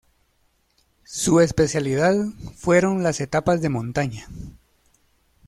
Su especialidad fueron las etapas de montaña.